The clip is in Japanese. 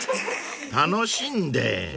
［楽しんで］